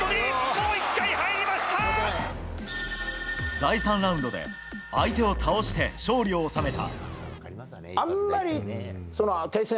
第３ラウンドで相手を倒して勝利を収めた。